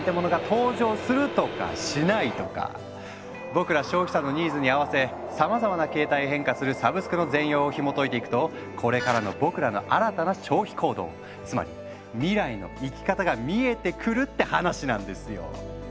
僕ら消費者のニーズに合わせさまざまな形態へ変化するサブスクの全容をひもといていくとこれからの僕らの新たな消費行動つまり未来の生き方が見えてくるって話なんですよ！